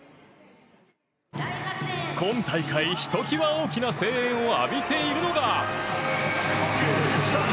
今大会、ひときわ大きな声援を浴びているのが。